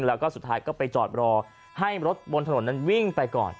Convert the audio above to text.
แล้วก็สุดท้ายก็ไปจอดรอให้รถบนถนนนั้นวิ่งไปก่อน